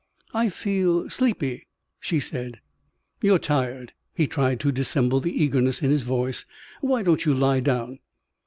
"I feel sleepy," she said. "You're tired." He tried to dissemble the eagerness in his voice. "Why don't you lie down?"